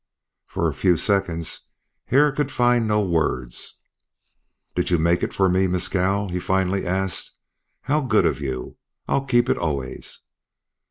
For a few seconds Hare could find no words. "Did you make it for me, Mescal?" he finally asked. "How good of you! I'll keep it always."